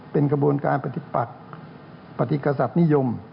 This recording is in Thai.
เป็นกระบวนการปฏิปักปฏิกษัตริย์นิยม